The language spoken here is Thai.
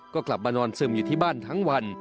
ก็กลับมานอนซึมอยู่ที่บ้านทั้งวัน